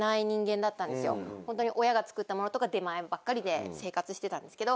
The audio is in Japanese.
ホントに親が作ったものとか出前ばっかりで生活してたんですけど。